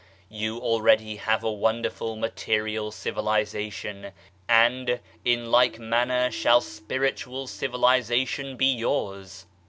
You already have a wonderful material civilization and in like manner shall spiritual civilization be yours.